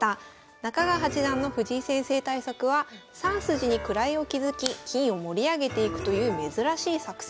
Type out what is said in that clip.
中川八段の藤井先生対策は３筋に位を築き金を盛り上げていくという珍しい作戦。